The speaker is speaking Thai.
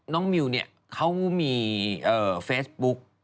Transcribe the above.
น้องมิวเขามีเฟซบุ๊ค